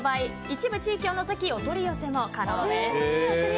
一部地域を除きお取り寄せも可能です。